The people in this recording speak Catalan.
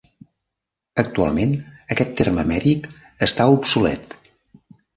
Actualment aquest terme mèdic està obsolet.